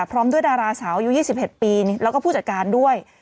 พร้อมด้วยดาราเสายูยี่สิบเห็ดปีแล้วก็ผู้จัดการด้วย